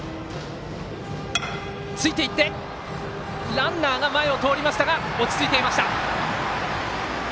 ランナーが前を通りましたが落ち着いていました。